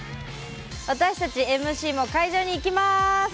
私たち、ＭＣも会場に行きます！